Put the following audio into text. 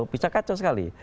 bisa kacau sekali